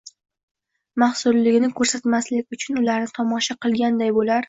mahzuillgini ko'rsatmaslik uchun ularni tomosha qilganday bo'lar